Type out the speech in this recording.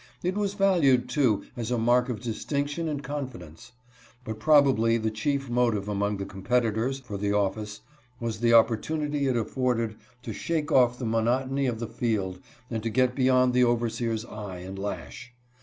It was valued, too, as a mark of distinction and confidence ; but proba bly the chief motive among the competitors for the office was the opportunity it afforded to shake off the monotony of the field and to get beyond the overseer's eye and lash.